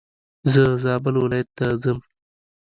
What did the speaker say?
زه زابل ولايت ته ځم.